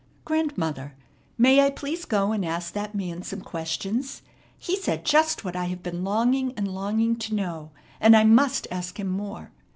"Grandmother, may I please go and ask that man some questions? He said just what I have been longing and longing to know, and I must ask him more.